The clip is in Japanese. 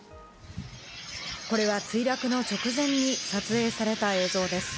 これは墜落の直前に撮影された映像です。